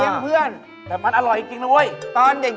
เจ้าไหน